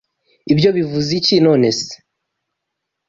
Ibyo bivuze iki, nonese?